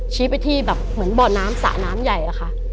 ชี้ไปที่แบบเหมือนบ่อน้ำสระน้ำใหญ่อะค่ะ